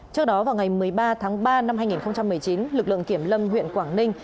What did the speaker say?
trước đó vào ngày một mươi ba tháng ba năm hai nghìn một mươi chín lực lượng kiểm lâm huyện quảng ninh